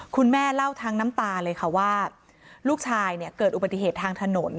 คุณแม่เล่าทั้งน้ำตาเลยค่ะว่าลูกชายเนี่ยเกิดอุบัติเหตุทางถนน